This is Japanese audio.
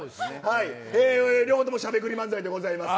両方ともしゃべくり漫才でございます。